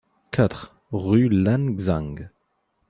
quatre rue Lan Xang